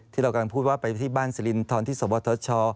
ที่เรากำลังพูดว่าไปที่บ้านสิรินทรที่สวบทช